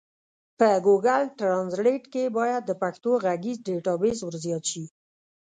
په ګوګل ټرانزلېټ کي بايد د پښتو ږغيز ډيټابيس ورزيات سي.